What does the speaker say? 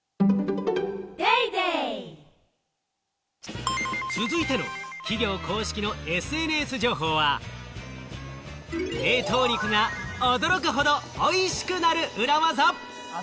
誕生続いての企業公式のＳＮＳ情報は、冷凍肉が驚くほど美味しくなる裏技。